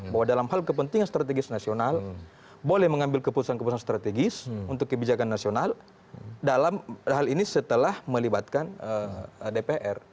bahwa dalam hal kepentingan strategis nasional boleh mengambil keputusan keputusan strategis untuk kebijakan nasional dalam hal ini setelah melibatkan dpr